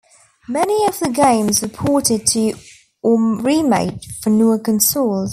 Many of the games were ported to or remade for newer consoles.